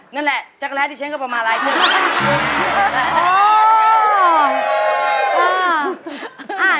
นั่นแหละจักรแรกที่ฉันก็เอามาลายเสื้อคุณ